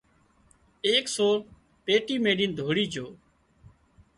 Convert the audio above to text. ايڪ سور پيٽي ميلين ڌوڙي جھو